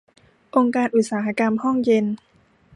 องค์การอุตสาหกรรมห้องเย็น